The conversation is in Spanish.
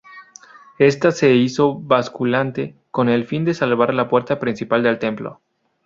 Ésta se hizo basculante, con el fin de salvar la puerta principal del templo.